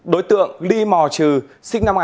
đối tượng dự định truy nã tội tàng trữ trái phép chất ma túy